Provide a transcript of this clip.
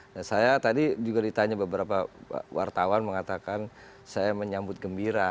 nah saya tadi juga ditanya beberapa wartawan mengatakan saya menyambut gembira